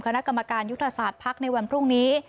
คณะกรรมการยุทธศาสตร์ภักดิ์ในวันพรุ่งนี้